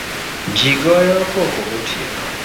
Jii goyo koko gotieno